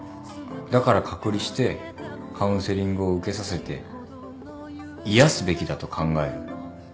だから隔離してカウンセリングを受けさせて癒やすべきだと考える。